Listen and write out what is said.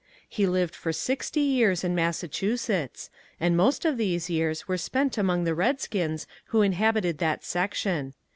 He lived for sixty years in Massachusetts, and most of those years were spent among the redskins who inhabited that section.